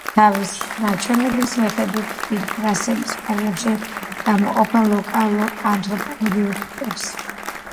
თავის მაჩვენებელის მიხედვით დიდი რასების ფარგლებში გამოყოფენ ლოკალურ ანთროპოლოგიურ ტიპებს.